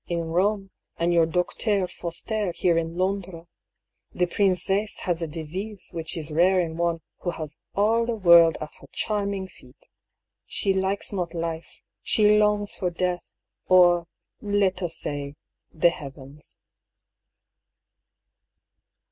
in Eome, and your Docteur Fosterre here in Londres. The princesse has a disease which is rare in one who has all the world at her charming feet. She likes not life, she longs for death, or, let us say, the heavens."